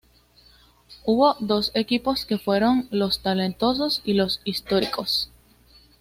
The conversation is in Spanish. Hubo dos equipos que fueron "Los Talentosos" y "Los Históricos".